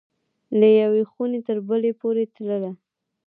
له یوې خوني تر بلي پوری تلله